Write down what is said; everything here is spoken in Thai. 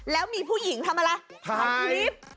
แล้วมีผู้หญิงทำอะไรถ่ายคลิป